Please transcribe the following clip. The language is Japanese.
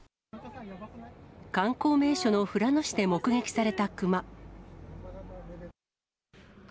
観光名所の富良野市で目撃された熊。